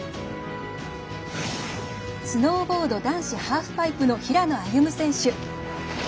スノーボード男子ハーフパイプの平野歩夢選手。